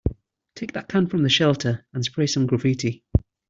Take that can from the shelter and spray some graffiti.